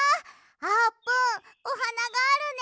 あーぷんおはながあるね。